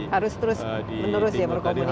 harus terus menerus ya berkomunikasi